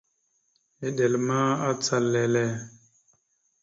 Eɗel ma, acal lele.